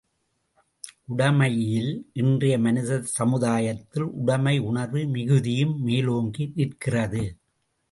உடைமையியல் இன்றைய மனித சமுதாயத்தில் உடைமை உணர்வு மிகுதியும் மேலோங்கி நிற்கிறது.